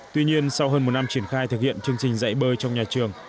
tuy nhiên sau hơn một năm triển khai thực hiện chương trình dạy bơi trong nhà trường